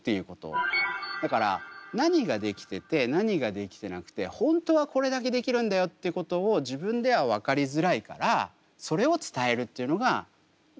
だから何ができてて何ができてなくて本当はこれだけできるんだよっていうことを自分では分かりづらいからそれを伝えるっていうのがスタートだったかなと思います。